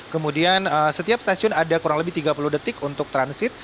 kemudian setiap stasiun ada kurang lebih tiga puluh detik untuk transit